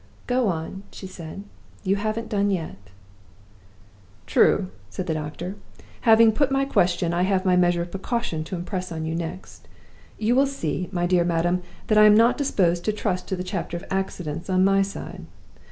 "Go on," she said; "you haven't done yet." "True!" said the doctor. "Having put my question, I have my measure of precaution to impress on you next. You will see, my dear madam, that I am not disposed to trust to the chapter of accidents on my side.